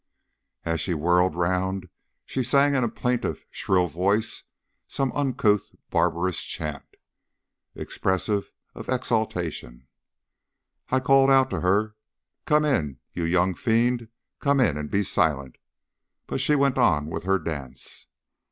As she whirled round she sang in a plaintive shrill voice some uncouth barbarous chant, expressive of exultation. I called out to her, "Come in, you young fiend, come in and be silent!" but she went on with her dance.